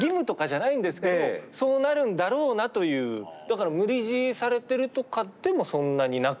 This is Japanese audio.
だから無理強いされてるとかでもそんなになく。